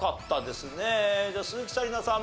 じゃあ鈴木紗理奈さん